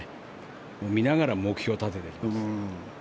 見ながら目標を立てていきます。